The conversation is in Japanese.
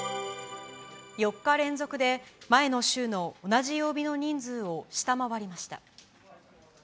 ４日連続で前の週の同じ曜日の人数を下回りました。